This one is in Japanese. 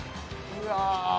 うわ